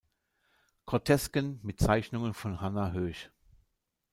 Grotesken mit Zeichnungen von Hannah Höch".